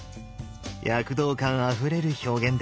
躍動感あふれる表現です。